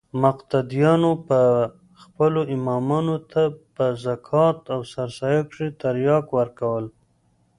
مقتديانو به خپلو امامانو ته په زکات او سرسايه کښې ترياک ورکول.